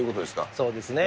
そうですね。